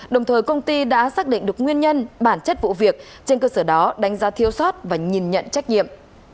đồng thời công ty đã xác định được nguyên nhân bản chất vụ việc trên cơ sở đó đánh giá thiếu sót và nhìn nhận trách nhiệm